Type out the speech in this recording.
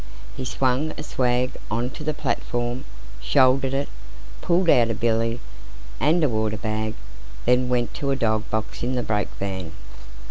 He swung a swag on to the platform, shouldered it, pulled out a billy and water bag, and then went to a dog box in the brake van.